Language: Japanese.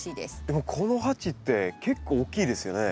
でもこの鉢って結構大きいですよね。